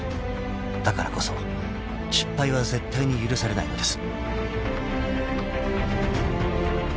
［だからこそ失敗は絶対に許されないのです］